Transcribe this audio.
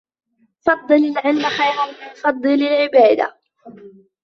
فَضْلُ الْعِلْمِ خَيْرٌ مِنْ فَضْلِ الْعِبَادَةِ